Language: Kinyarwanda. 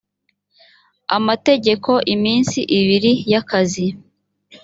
amategeko iminsi ibiri y akazi